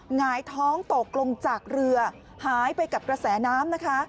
หงายท้องตกลงจากเรือหายไปกับกระแสน้ำนะคะ